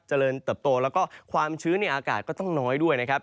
เจริญเติบโตแล้วก็ความชื้นในอากาศก็ต้องน้อยด้วยนะครับ